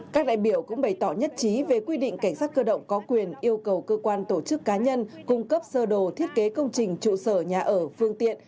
các đại biểu cũng bày tỏ nhất trí về quy định cảnh sát cơ động có quyền yêu cầu cơ quan tổ chức cá nhân cung cấp sơ đồ thiết kế công trình trụ sở nhà ở phương tiện